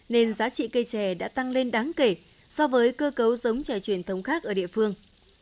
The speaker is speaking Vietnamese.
nên giá trị cây trẻ đã tăng lên đáng kể so với cơ cấu giống chè truyền thống khác ở địa phương